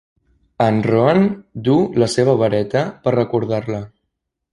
En Roan duu la seva vareta per recordar-la.